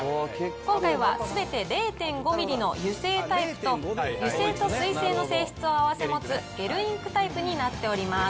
今回はすべて０．５ミリの油性タイプと、油性と水性の性質を併せ持つゲルインクタイプになっております。